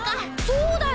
そうだよ！